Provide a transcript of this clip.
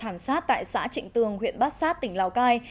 hàng sát tại xã trịnh tường huyện bát sát tỉnh lào cai